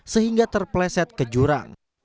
sehingga terpleset ke jurang